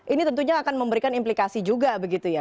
ini tentunya akan memberikan implikasi juga begitu ya